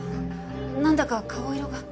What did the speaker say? なんだか顔色が。